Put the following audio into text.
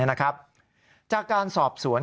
นะครับจากการสอบสวน